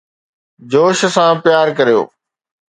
جوش سان پيار ڪريو